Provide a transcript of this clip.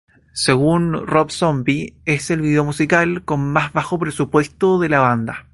Según Rob Zombie, es el video musical con más bajo presupuesto de la banda.